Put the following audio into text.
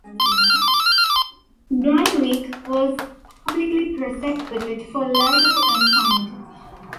Grundtvig was publicly prosecuted for libel and fined.